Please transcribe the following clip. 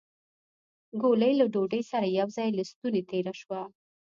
ګولۍ له ډوډۍ سره يو ځای له ستونې تېره شوه.